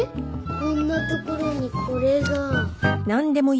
こんなところにこれが